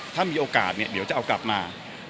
ถ้ามีโอกาสเดี๋ยวจะเอากลับนาย